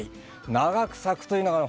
長く咲くというのがね